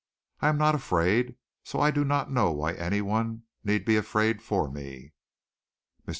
I am not afraid, so I do not know why anyone need be afraid for me." Mr.